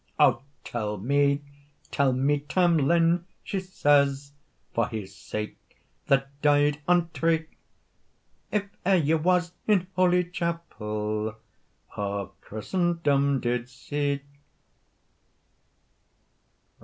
"O tell me, tell me, Tam Lin," she says, "For's sake that died on tree, If eer ye was in holy chapel, Or christendom did see?"